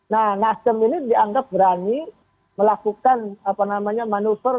nah nasdem ini dianggap berani melakukan manuver